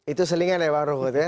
itu selingan ya bang ruhut ya